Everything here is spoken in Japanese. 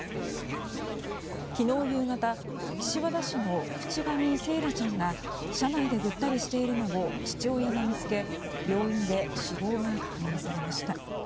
昨日夕方、岸和田市の渕上惺愛ちゃんが車内でぐったりしているのを父親が見つけ病院で死亡が確認されました。